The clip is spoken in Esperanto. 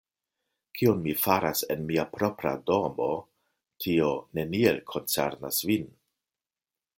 Kion mi faras en mia propra domo, tio neniel koncernas vin.